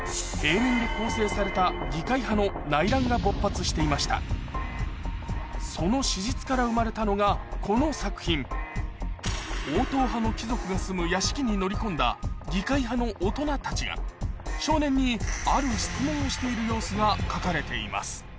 続いてはイギリスの画家その史実から生まれたのがこの作品王党派の貴族が住む屋敷に乗り込んだ議会派の大人たちが少年にある質問をしている様子が描かれています